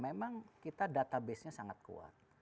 memang kita data basenya sangat kuat